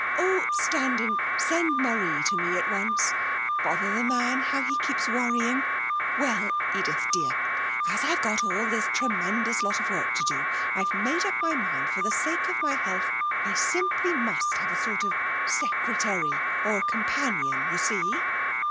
'Oh, Standing, send Marie to me at once.... Bother the man, how he keeps worrying! Well, Edith dear, as I've got all this tremendous lot of work to do, I've made up my mind, for the sake of my health, I simply must have a sort of secretary or companion. You see?'